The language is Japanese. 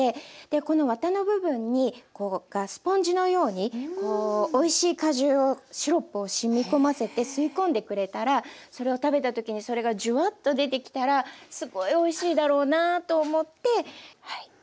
このワタの部分にスポンジのようにこうおいしい果汁をシロップをしみ込ませて吸い込んでくれたらそれを食べた時にそれがジュワッと出てきたらすごいおいしいだろうなと思ってはい。